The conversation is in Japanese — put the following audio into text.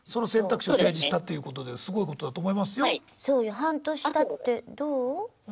半年たってどう？